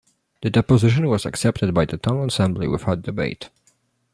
The deposition was accepted by the town assembly without debate.